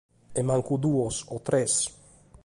E mancu duos, o tres.